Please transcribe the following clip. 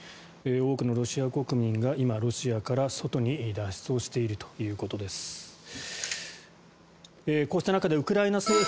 多くのロシア国民が今ロシアから外に脱出をしているということです。